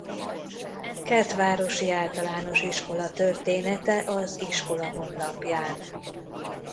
Kertvárosi Általános Iskola története az iskola honlapján